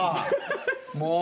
もう。